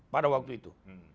pada waktu itu